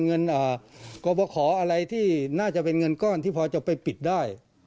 เงินกรบขออะไรที่น่าจะเป็นเงินก้อนที่พอจะไปปิดได้